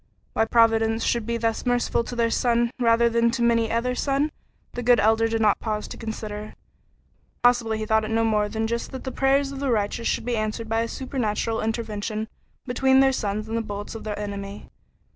Why Providence should be thus merciful to their son rather than to many another son, the good Elder did not pause to consider. Possibly he thought it no more than just that the prayers of the righteous should be answered by a supernatural intervention between their sons and the bullets of the enemy.